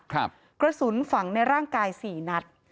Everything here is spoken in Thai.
กระสุนฝังในร่างกายสี่นัด